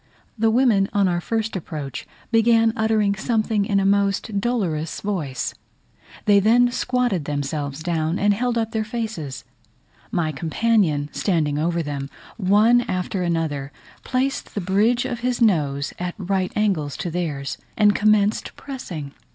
The women, on our first approach, began uttering something in a most dolorous voice; they then squatted themselves down and held up their faces; my companion standing over them, one after another, placed the bridge of his nose at right angles to theirs, and commenced pressing.